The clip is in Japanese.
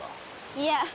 いや。